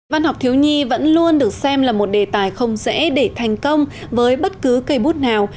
văn học thiếu nhi vẫn luôn được xem là một đề tài không dễ để thành công với bất cứ cây bút nào